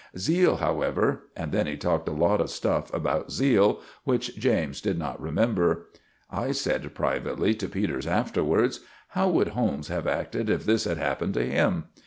Zeal, however——" and then he talked a lot of stuff about zeal, which James did not remember. I said privately to Peters afterwards— "How would Holmes have acted if this had happened to him?"